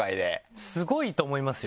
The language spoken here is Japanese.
スゴいと思いますよ。